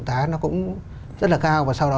đánh nó cũng rất là cao và sau đó